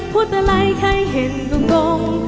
พูดอะไรใครเห็นก็งง